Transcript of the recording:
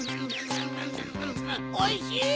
おいしい！